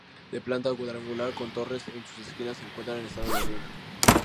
De planta cuadrangular, con torres en sus esquinas, se encuentra en estado de ruina.